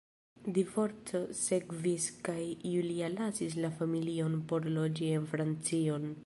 Divorco sekvis kaj Julia lasis la familion por loĝi en Francion.